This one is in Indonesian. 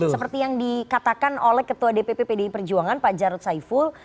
seperti yang dikatakan oleh ketua dpp pdi perjuangan pak jarod saiful